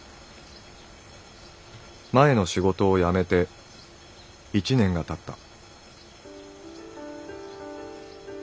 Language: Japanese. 「前の仕事をやめて１年が経った」。